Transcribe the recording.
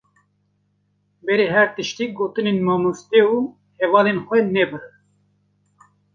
Berî her tiştî, gotinên mamoste û hevalên xwe nebirin.